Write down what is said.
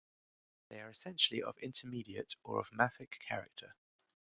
They are essentially of intermediate or of mafic character.